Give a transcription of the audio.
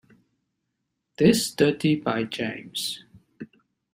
This study by James.